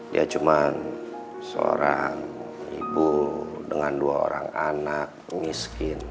dia cuma seorang ibu dengan dua orang anak miskin